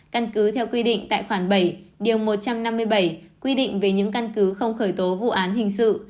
căn cứ theo quy định tại khoản bảy điều một trăm năm mươi bảy quy định về những căn cứ không khởi tố vụ án hình sự